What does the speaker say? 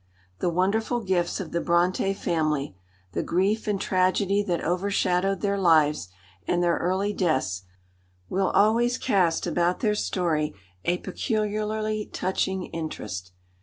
The wonderful gifts of the Brontë family, the grief and tragedy that overshadowed their lives, and their early deaths, will always cast about their story a peculiarly touching interest.